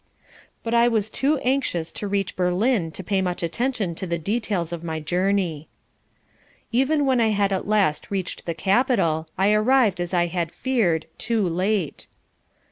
But I was too anxious to reach Berlin to pay much attention to the details of my journey. Even when I at last reached the capital, I arrived as I had feared, too late.